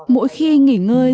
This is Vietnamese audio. mỗi khi nghỉ ngơi